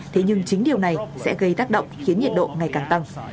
thế nhưng chính điều này sẽ gây tác động khiến nhiệt độ ngày càng tăng